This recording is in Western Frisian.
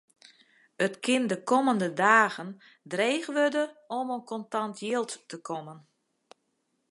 It kin de kommende dagen dreech wurde om oan kontant jild te kommen.